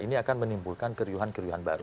ini akan menimbulkan keriuhan keriuhan baru